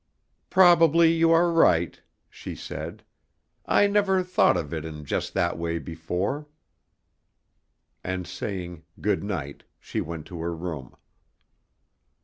"Probably you are right," she said. "I never thought of it in just that way before," and saying "good night" she went to her room.